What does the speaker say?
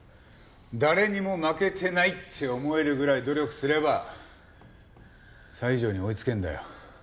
誰にも負けてないって思えるぐらい努力すれば西条に追いつけるんだよ。